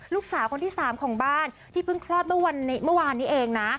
ลูกสาวคนที่๓ของบ้านที่เพิ่งคลอดเมื่อวานนี้เองนะ